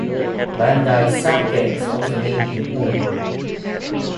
Ban-dai sake is also made in Umi.